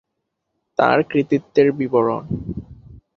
তার কৃতিত্বের বিবরণ